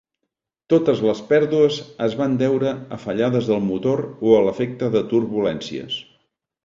Totes les pèrdues es van deure a fallades del motor o a l'efecte de turbulències.